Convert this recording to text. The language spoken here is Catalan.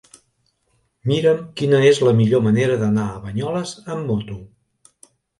Mira'm quina és la millor manera d'anar a Banyoles amb moto.